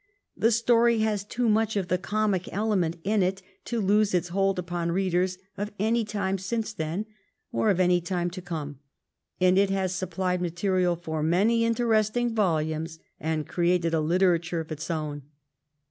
The story has too much . of the comic clement in it to lose its hold upon readers of any time since then, or of any time to come, and it has supplied material for many interesting volumes and created a literature of its own.